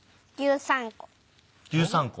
１３個。